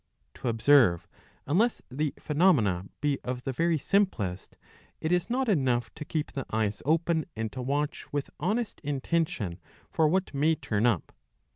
To observe, unless the phenomena be of the very simplest, it is not enough to keep the eyes open and to watch with honest intention for what may turn up.